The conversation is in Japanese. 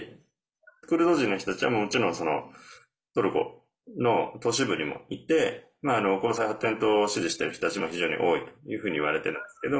クルド人の人たちは、もちろんトルコの都市部にもいて公正発展党を支持している人たちも非常に多いというふうにいわれているんですけど。